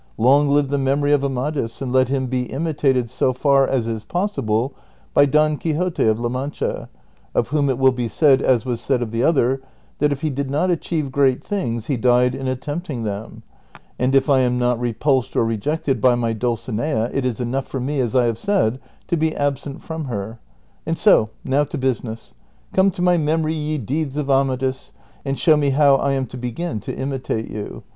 Long live the memory of Amadis, and let him be imitated so far as is possible by Don Quixote of La Mancha, of whom it will be said, as was said of the other, that if he did not achieve great things, he died in at tempting them ; and if I am not repulsed or rejected by my Dul cinea, it is enough for me, as I have said, to be absent from her. And so, now to business ; come to my memory ye deeds of Ama dis, and show me how I am to begin to imitate you.